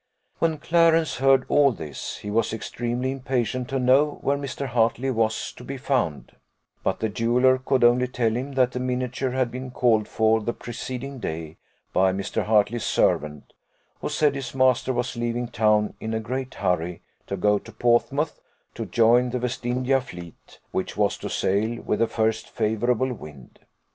When Clarence heard all this, he was extremely impatient to know where Mr. Hartley was to be found; but the jeweller could only tell him that the miniature had been called for the preceding day by Mr. Hartley's servant, who said his master was leaving town in a great hurry to go to Portsmouth, to join the West India fleet, which was to sail with the first favourable wind.